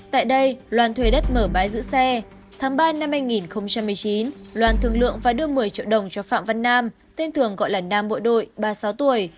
tại đây loan thuê đất mở bãi giữ xe tháng ba năm hai nghìn một mươi chín loan thương lượng và đưa một mươi triệu đồng cho phạm văn nam tên thường gọi là nam bộ đội ba mươi sáu tuổi